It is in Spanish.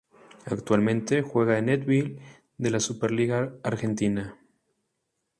Actualmente juega en Newell's de la Superliga Argentina.